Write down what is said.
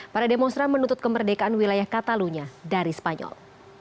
para demonstra menuntut kemerdekaan wilayah catalunya dari spanyol